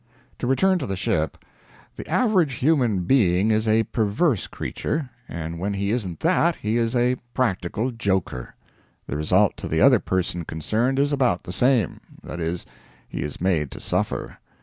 To return to the ship. The average human being is a perverse creature; and when he isn't that, he is a practical joker. The result to the other person concerned is about the same: that is, he is made to suffer.